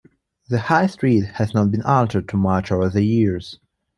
The High Street has not been altered too much over the years.